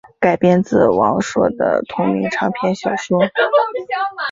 改编自王朔的同名长篇小说。